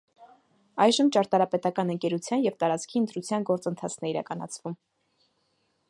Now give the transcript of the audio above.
Այժմ ճարտարապետական ընկերության և տարածքի ընտրության գործընթացն է իրականացվում։